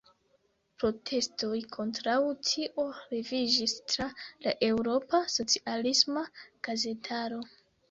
Protestoj kontraŭ tio leviĝis tra la eŭropa socialisma gazetaro.